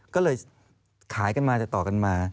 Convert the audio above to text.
ก็เลยขายกันมาติดต่อกันมา